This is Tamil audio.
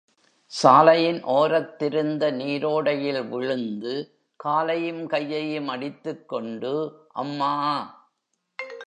சாலையின் ஓரத்திருந்த நீரோடையில் விழுந்து காலையும் கையையும் அடித்துக்கொண்டு அம்மா!